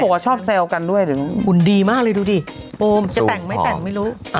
บอกว่าชอบแซวกันด้วยเดี๋ยวหุ่นดีมากเลยดูดิโปมจะแต่งไม่แต่งไม่รู้